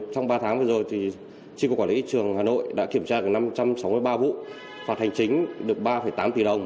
trong ba tháng vừa rồi chính cổ quản lý trường hà nội đã kiểm tra năm trăm sáu mươi ba vụ phạt hành chính được ba tám tỷ đồng